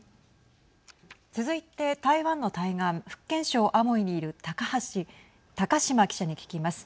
続いて台湾の対岸、福建省アモイにいる高島記者に聞きます。